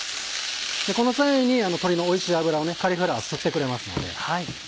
この際に鶏のおいしい脂をカリフラワー吸ってくれますので。